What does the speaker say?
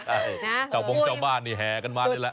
ใช่ชาวโมงชาวบ้านเนี่ยแหกันมานี่แหละ